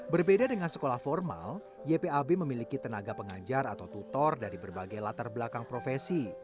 berbeda dengan sekolah formal ypab memiliki tenaga pengajar atau tutor dari berbagai latar belakang profesi